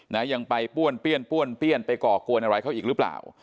ยังไปป้วนเปี้ยนป้วนเปี้ยนไปก่อกวนอะไรเขาอีกหรือเปล่า